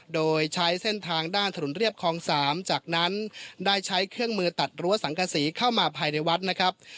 โดยใช้เส้นทางด้านถนนเรียบคลอง๓จากนั้นได้ใช้เครื่องมือตัดรั้วสังกษีเข้ามาภายในวัดนะครับ